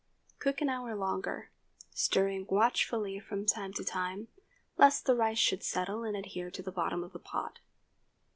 Cook an hour longer, stirring watchfully from time to time, lest the rice should settle and adhere to the bottom of the pot.